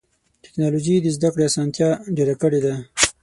ټکنالوجي د زدهکړې اسانتیا ډېره کړې ده.